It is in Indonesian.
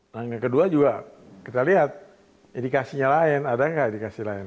nah yang kedua juga kita lihat indikasinya lain ada nggak indikasi lain